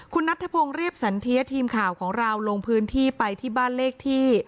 คุณนัทธพงศ์เรียบสันเทียทีมข่าวของเราลงพื้นที่ไปที่บ้านเลขที่